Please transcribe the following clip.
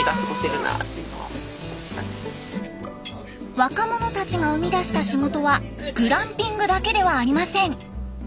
若者たちが生み出した仕事はグランピングだけではありません。